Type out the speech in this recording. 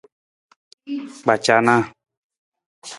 Kpacanaa.